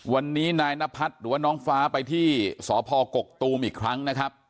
วันนี้นายนพัฒน์หรือว่าน้องฟ้าไปที่สพกกตูมอีกครั้งนะครับ